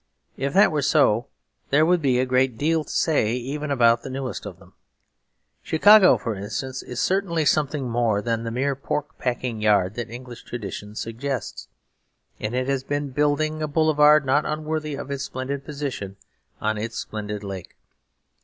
If that were so, there would be a great deal to say even about the newest of them; Chicago, for instance, is certainly something more than the mere pork packing yard that English tradition suggests; and it has been building a boulevard not unworthy of its splendid position on its splendid lake.